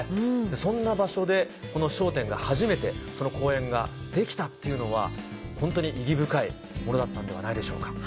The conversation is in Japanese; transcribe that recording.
そんな場所でこの『笑点』が初めて公演ができたっていうのはホントに意義深いものだったのではないでしょうか。